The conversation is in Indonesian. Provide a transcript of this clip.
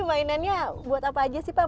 mainannya buat apa aja sih pak